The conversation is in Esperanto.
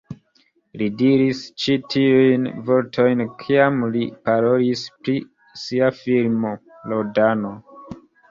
Li diris ĉi tiujn vortojn kiam li parolis pri sia filmo "Rodano".